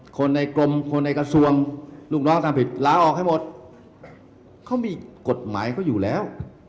คนในกรมคนในกระทรวงลูกน้องทำผิดลาออกให้หมดเขามีกฎหมายเขาอยู่แล้ว